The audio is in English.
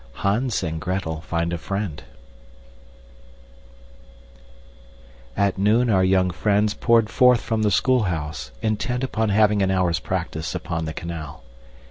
Hans and Gretel Find a Friend At noon our young friends poured forth from the schoolhouse, intent upon having an hour's practice upon the canal.